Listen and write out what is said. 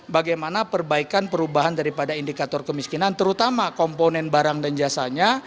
bagaimana perbaikan perubahan daripada indikator kemiskinan terutama komponen barang dan jasanya